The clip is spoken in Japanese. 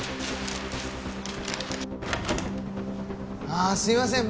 ああすいません。